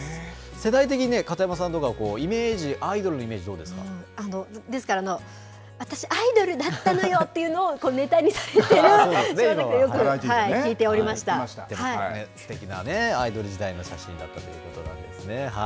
世代的にね、片山さんとか、イメージ、アイドルのイメージ、どうですから、私、アイドルだったのよっていうのをネタにされてる島崎さんを、そうすてきなね、アイドル時代の写真だったということなんですね。